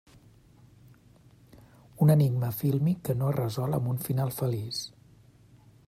Un enigma fílmic que no es resol amb un final feliç.